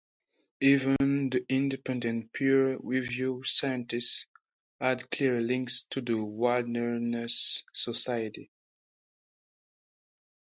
Even the "independent" peer review scientist had clear links to the Wilderness Society.